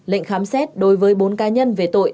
lệnh khám xét đối với bốn cá nhân về tội